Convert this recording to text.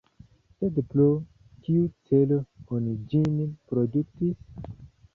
Sed pro kiu celo oni ĝin produktis?